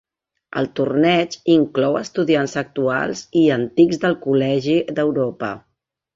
El torneig inclou estudiants actuals i antics del Col·legi d'Europa.